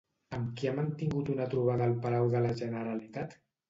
Amb qui ha mantingut una trobada al Palau de la Generalitat?